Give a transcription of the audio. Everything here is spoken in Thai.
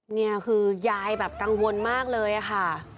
นี่คือยายแบบกังวลมากเลยค่ะ